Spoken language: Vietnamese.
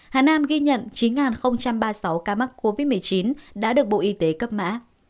hà nam ghi nhận chín ba mươi sáu ca mắc covid một mươi chín đã được bộ y tế cấp mã